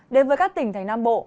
đến với các tỉnh thành nam bộ